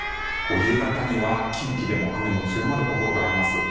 夕方には近畿でも雨の強まるところがあります。